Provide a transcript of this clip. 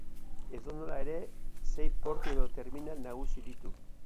Edonola ere, sei portu edo terminal nagusi ditu.